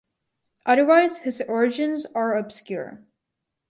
Otherwise his origins are obscure.